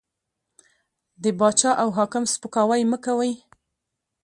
د باچا او حاکم سپکاوی مه کوئ!